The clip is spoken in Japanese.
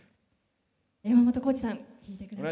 山本耕史さん引いてください。